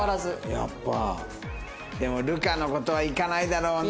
やっぱでも流佳の事はいかないだろうな。